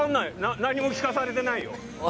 何も聞かされてないよ。